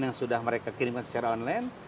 yang sudah mereka kirimkan secara online